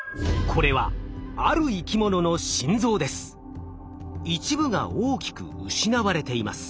これは一部が大きく失われています。